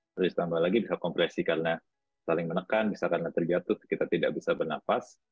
terus tambah lagi bisa kompresi karena saling menekan bisa karena terjatuh kita tidak bisa bernafas